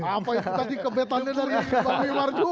apa itu tadi kebetannya dari pak wimar juga